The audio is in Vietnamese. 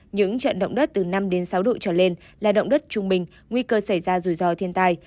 những trận động đất từ năm đến sáu độ trở lên là động đất trung bình nguy cơ xảy ra rủi ro thiên tai